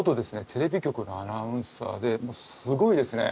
テレビ局のアナウンサーですごいですね